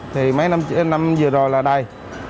thì mấy năm vừa rồi là đầy